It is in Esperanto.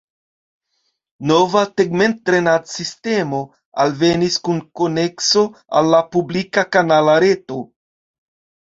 Nova tegmentdrenadsistemo alvenis kun konekso al la publika kanala reto.